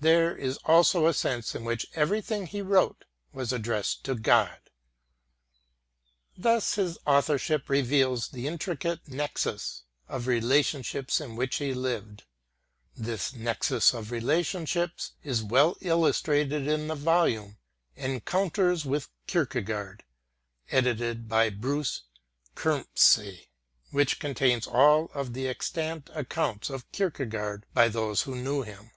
There is also a sense in which everything he wrote was addressed to God. Thus his authorship reveals the intricate nexus of relationships in which he lived. (This nexus of relationships is well illustrated in the volume Encounters with Kierkegaard, edited by Bruce Kirmmse, which contains all of the extant accounts of Kierkegaard by those who knew him.)